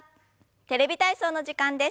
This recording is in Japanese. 「テレビ体操」の時間です。